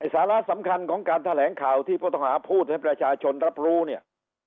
สาระสำคัญของการแถลงข่าวที่ผู้ต้องหาพูดให้ประชาชนรับรู้เนี่ย